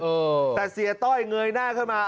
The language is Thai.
เออแต่เสียต้อยเงยหน้าขึ้นมา